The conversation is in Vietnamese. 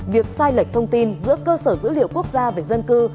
việc sai lệch thông tin giữa cơ sở dữ liệu quốc gia về dân cư